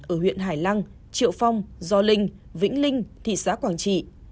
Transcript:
ở huyện hải lăng triệu phong gio linh vĩnh linh thị xã quảng trị